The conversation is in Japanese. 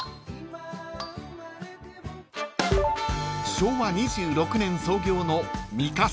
［昭和２６年創業の］